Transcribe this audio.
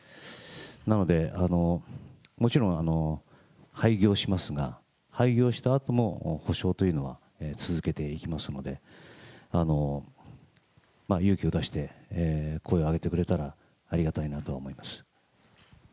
なので、もちろん廃業しますが、廃業したあとも、補償というのは続けていきますので、勇気を出して、声を上げてくれたらありがたいなとは思います。